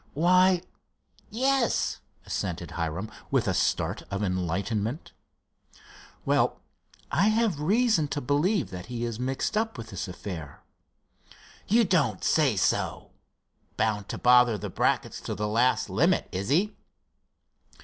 "Why, yes," assented Hiram, with a start of enlightenment. "Well, I have reason to believe that he is mixed up with this affair." "You don't say so! Bound to bother the Bracketts to the last limit, is he?"